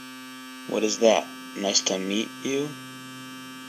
What is that, nice to "meat" you?